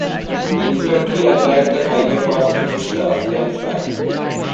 The infantry attacked the Khyber Pass to push the Afghans back.